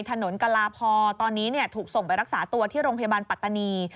กลาพอตอนนี้ถูกส่งไปรักษาตัวที่โรงพยาบาลปัตตานี